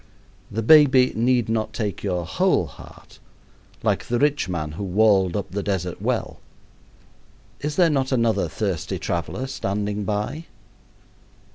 The baby need not take your whole heart, like the rich man who walled up the desert well. Is there not another thirsty traveler standing by?